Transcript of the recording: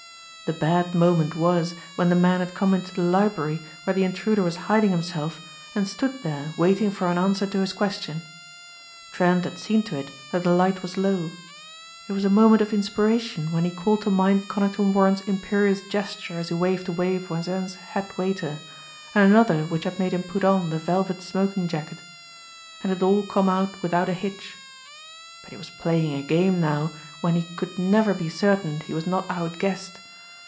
The bad moment was when the man had come into the library where the intruder was hiding himself and stood there waiting for an answer to his question. Trent had seen to it that the light was low. It was a moment of inspiration when he called to mind Conington Warren's imperious gesture as he waved away Voisin's head waiter, and another which had made him put on the velvet smoking jacket. And it had all come out without a hitch. But he was playing a game now when he could never be certain he was not outguessed.